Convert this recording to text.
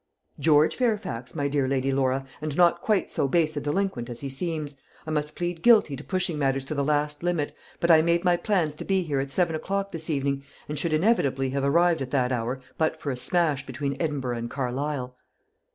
"George Fairfax, my dear Lady Laura, and not quite so base a delinquent as he seems. I must plead guilty to pushing matters to the last limit; but I made my plans to be here at seven o'clock this evening, and should inevitably have arrived at that hour, but for a smash between Edinburgh and Carlisle."